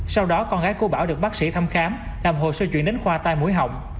sau đó con gái của bảo được bác sĩ thăm khám làm hồ sơ chuyển đến khoa tai mũi họng